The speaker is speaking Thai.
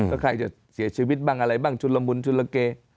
ก็ใครจะเสียชีวิตบ้างอะไรบ้างชุนละมุนชุลเก